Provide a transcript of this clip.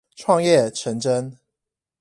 創業成真